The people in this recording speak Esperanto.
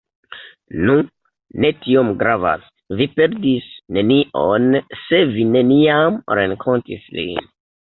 Nu, ne tiom gravas, vi perdis nenion se vi neniam renkontis lin.